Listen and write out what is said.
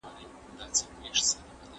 که مالي سيستم کمزوری وي، پانګونه نه کېږي.